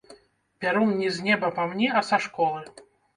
Пярун не з неба па мне, а са школы.